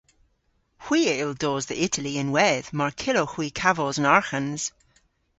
Hwi a yll dos dhe Itali ynwedh mar kyllowgh hwi kavos an arghans.